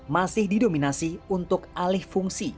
masih didominasi untuk alih fungsi